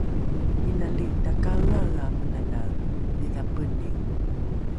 inali takaeaea menanae dhidhapeni